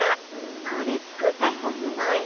これ作った人すごいね。